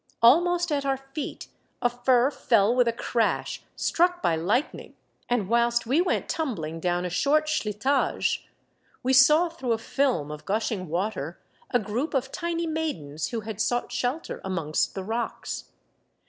Almost at our feet a fir fell with a crash, struck by Hghtning; and whilst we went tumbling down a short schlitage, we saw through a film of gushing water a group of tiny maidens who had sought shelter amongst the rocks.